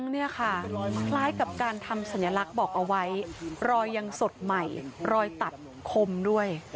นี่ค่ะคล้ายกับการทำสัญลักษณ์บอกเอาไว้รอยยังสดใหม่รอยตัดคมด้วย